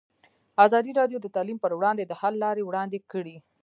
ازادي راډیو د تعلیم پر وړاندې د حل لارې وړاندې کړي.